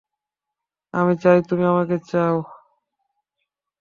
আমি চাই তুমি আমাকে চাও।